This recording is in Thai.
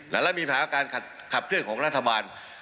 และมีปัญหาการขับเคลื่อนของรัฐบาล